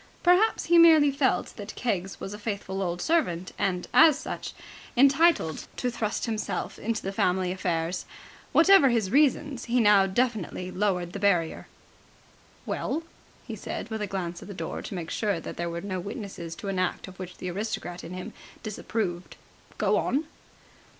Perhaps he merely felt that Keggs was a faithful old servant and, as such, entitled to thrust himself into the family affairs. Whatever his reasons, he now definitely lowered the barrier. "Well," he said, with a glance at the door to make sure that there were no witnesses to an act of which the aristocrat in him disapproved, "go on!"